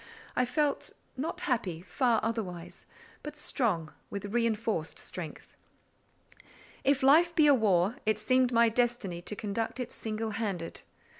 I felt, not happy, far otherwise, but strong with reinforced strength. If life be a war, it seemed my destiny to conduct it single handed.